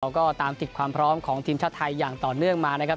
ก็ตามติดความพร้อมของทีมชาติไทยอย่างต่อเนื่องมานะครับ